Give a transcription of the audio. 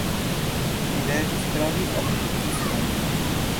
Mi devis trovi optikiston.